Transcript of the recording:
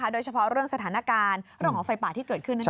โดยเฉพาะเรื่องสถานการณ์เรื่องของไฟป่าที่เกิดขึ้นนั่นเอง